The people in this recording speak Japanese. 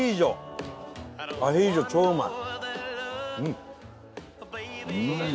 アヒージョ超うまい！